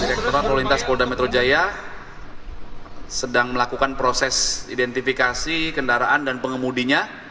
direkturat lalu lintas polda metro jaya sedang melakukan proses identifikasi kendaraan dan pengemudinya